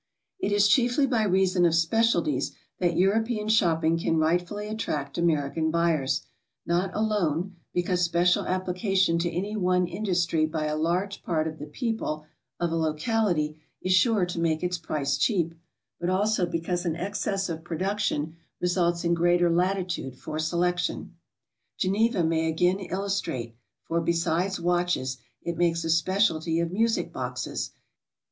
It is chiefly by reason of specialties that European shop ping can rightfully attract American buyers, not alone be cause special application to any one industry by a large part of the people of a locality is sure to make its price cheap, but also because an excess of production results in greater latitude for selection. Geneva may again illustrate, for be sides watches, it makes a specialty oi music boxes, and no 200 GOING ABROAD?